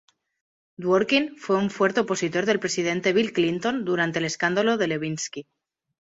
Dworkin fue un fuerte opositor del presidente Bill Clinton durante el escándalo de Lewinsky.